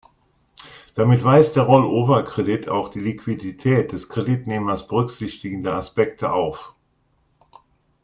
Damit weist der Roll-over-Kredit auch die Liquidität des Kreditnehmers berücksichtigende Aspekte auf.